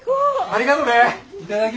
ありがとう！